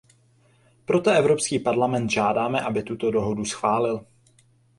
Proto Evropský parlament žádáme, aby tuto dohodu schválil.